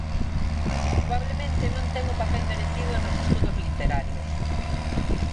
Probablemente non ten o papel merecido nos estudos literarios.